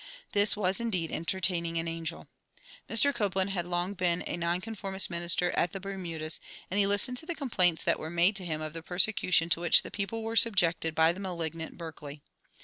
This was indeed entertaining an angel. Mr. Copland had long been a nonconformist minister at the Bermudas, and he listened to the complaints that were made to him of the persecution to which the people were subjected by the malignant Berkeley.